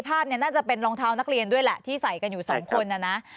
ภาพเนี่ยน่าจะเป็นรองเท้านักเรียนด้วยแหละที่ใส่กันอยู่สองคนนะนะ